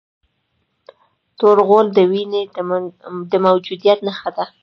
تور غول د وینې د موجودیت نښه ده.